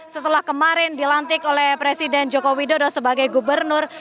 setelah kemarin dilantik oleh presiden joko widodo sebagai gubernur